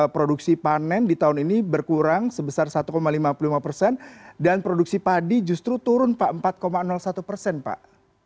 produksi panen di tahun ini berkurang sebesar satu lima puluh lima dan produksi padi justru turun pak empat satu pak